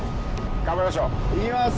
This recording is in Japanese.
頑張りましょう行きます